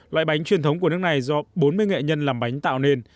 loại bánh truyền thống của nước này do bốn mươi nghệ nhân làm bánh tạo nên